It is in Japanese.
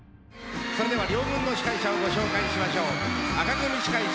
それでは両軍の司会者をご紹介しましょう。